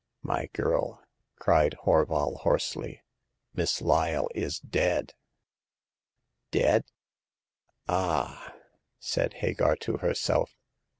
." My girl," cried Horval, hoarsely, " Miss Lyle is dead !"" Dead ? Ah !" said Hagar to herself.